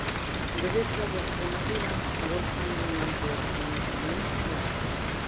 Devesa de Estremadura" gozan dun amplo recoñecemento no sector.